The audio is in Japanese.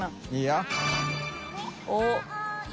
おっ。